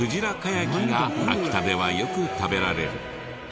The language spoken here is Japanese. やきが秋田ではよく食べられる。